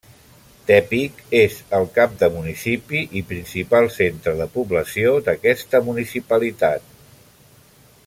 Tepic és el cap de municipi i principal centre de població d'aquesta municipalitat.